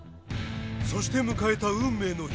そして迎えた運命の日。